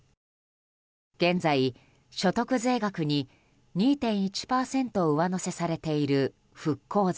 現在、所得税額に２．１％上乗せされている復興税。